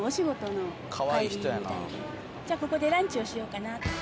じゃあここでランチをしようかなって。